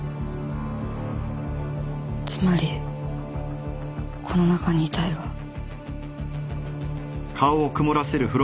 つまりこの中に遺体が。